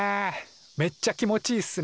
めっちゃ気持ちいいっすね。